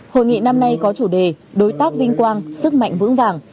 hội nghị năm nay có chủ đề đối tác vinh quang sức mạnh vững vàng